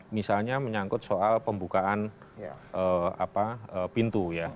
misalnya menyangkut soal pembukaan pintu ya